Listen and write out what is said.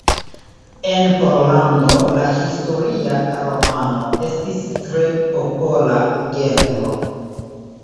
En Pollando la historia romano estis tre popola genro.